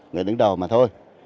người đứng đầu mà thôi